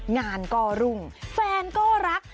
งานก็รุ่งแฟนก็รัก